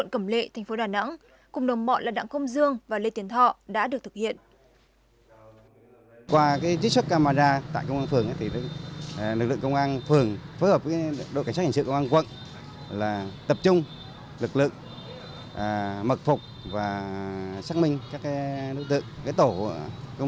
các đồng mọi là đảng công dương và lê tiến thọ đã được thực hiện